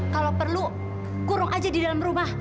kalau perlu kurung aja di dalam rumah